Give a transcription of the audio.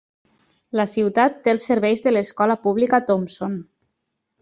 La ciutat té els serveis de l'escola pública Thompson.